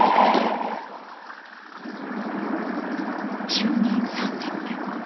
就任３年目。